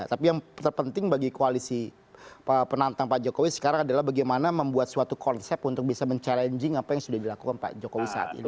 tapi yang terpenting bagi koalisi penantang pak jokowi sekarang adalah bagaimana membuat suatu konsep untuk bisa mencabar apa yang sudah dilakukan pak jokowi saat ini